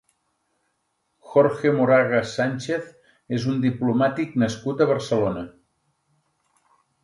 Jorge Moragas Sánchez és un diplomàtic nascut a Barcelona.